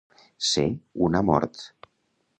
Ser una mort.